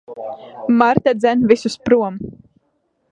Marta dzen visus prom.